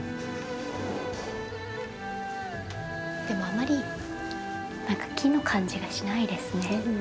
でもあまり木の感じがしないですね。